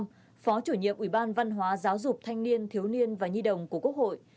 phó chủ nhiệm ủy ban văn hóa giáo dục thanh niên thiếu niên và nhi đồng của quốc hội